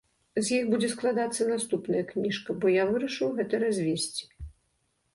З іх будзе складацца наступная кніжка, бо я вырашыў гэта развесці.